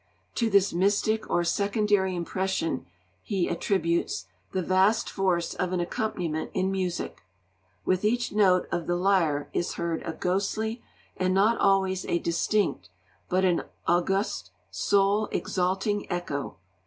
To this 'mystic or secondary impression' he attributes 'the vast force of an accompaniment in music.... With each note of the lyre is heard a ghostly, and not always a distinct, but an august soul exalting echo.'